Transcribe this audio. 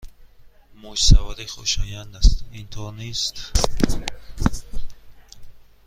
موج سواری خوشایند است، اینطور نیست؟